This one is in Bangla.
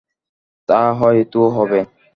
তা হয় তো হবে।